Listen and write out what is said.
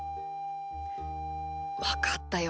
わかったよ。